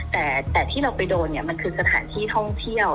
แต่ที่เราไปโดนเนี่ยมันคือสถานที่ท่องเที่ยว